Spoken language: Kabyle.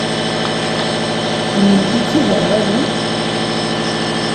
Kennemti d tiderɣalin?